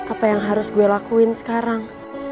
apa yang harus gue lakuin sekarang